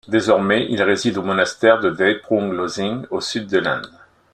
Désormais, il réside au monastère de Drepung Losing au sud de l'Inde.